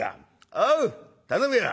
おう頼むよ。